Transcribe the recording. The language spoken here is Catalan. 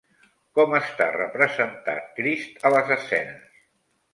Com està representat Crist a les escenes?